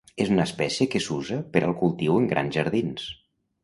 És una espècie que s'usa per al cultiu en grans jardins.